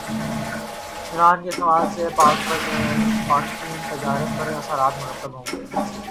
یوان کے استعمال سے پاکچین تجارت پر کیا اثرات مرتب ہوں گے